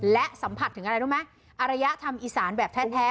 และสัมผัสถึงอะไรรู้ไหมอารยธรรมอีสานแบบแท้